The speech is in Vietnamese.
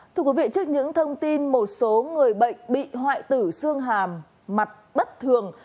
thưa quý vị trước những thông tin một số người bệnh bị hoại tử xương hàm mặt bất thường